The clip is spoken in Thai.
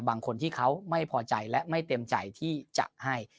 บางคนที่เขาไม่พอใจและไม่เต็มใจที่จะให้